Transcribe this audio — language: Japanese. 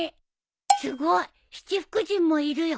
すごい七福神もいるよ。